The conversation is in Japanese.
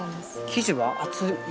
生地は厚い？